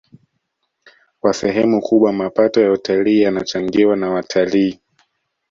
Kwa sehemu kubwa mapato ya utalii yanachangiwa na watalii